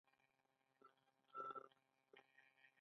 د سنوکر کلبونه په ښارونو کې ډېر دي.